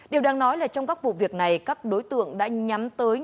điều đáng nói là trong các vụ việc này các đối tượng đã nhắm tới